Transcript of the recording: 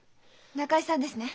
中井さんですね。